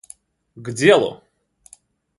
К делу!